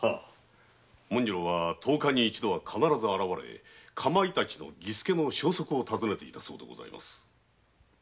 紋次郎は十日に一度は必ず現れ「かまいたちの儀助」の消息を尋ねていたそうでございます。